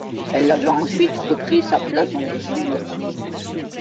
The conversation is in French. Elle avait ensuite repris sa place en les ignorant.